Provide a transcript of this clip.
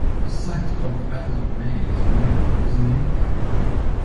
The site of the Battle of Maes Moydog is nearby.